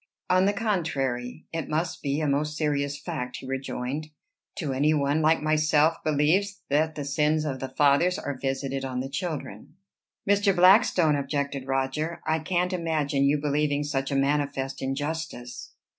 "On the contrary, it must be a most serious fact," he rejoined, "to any one who like myself believes that the sins of the fathers are visited on the children." "Mr. Blackstone," objected Roger, "I can't imagine you believing such a manifest injustice."